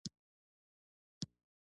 ایا زه باید زوړ شم؟